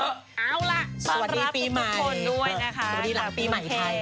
เอาล่ะมารับทุกคนด้วยนะคะสวัสดีหลังปีใหม่ไทย